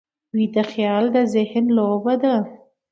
ویده خیال د ذهن لوبه ده